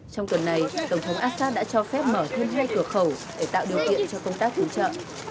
trong tuần này tổng thống abcard đã cho phép mở thêm hai cửa khẩu để tạo điều kiện cho công tác cứu trợ